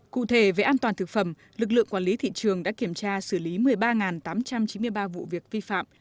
cụ thể về an toàn thực phẩm lực lượng quản lý thị trường đã kiểm tra xử lý một mươi ba tám trăm chín mươi ba vụ việc vi phạm